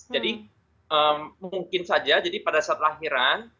jadi mungkin saja jadi pada saat lahiran